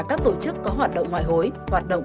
các tổ chức có hoạt động ngoại hối hoạt động